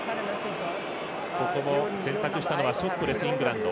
ここも、選択したのはショットです、イングランド。